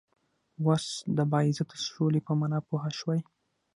وس د باعزته سولی په معنا پوهه شوئ